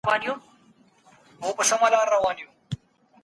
کله ماشومان د لوبې او تفریح حق لري؟